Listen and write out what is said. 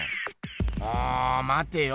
おまてよ。